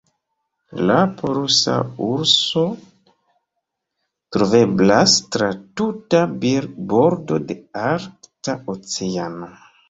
La polusa urso troveblas tra tuta bordo de Arkta Oceano.